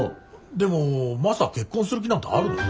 でもマサ結婚する気なんてあるの？